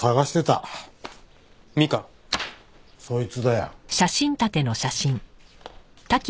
そいつだよ。